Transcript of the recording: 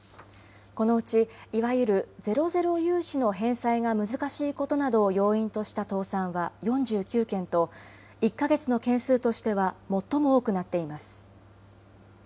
このうち、いわゆるゼロゼロ融資の返済が難しいことなどを要因とした倒産は４９件と１か月の件数としては最も多くなっています。